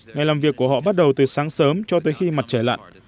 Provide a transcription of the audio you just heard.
ngày làm việc của họ bắt đầu từ sáng sớm cho tới khi mặt trời lặn